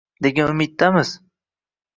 degan umiddamiz.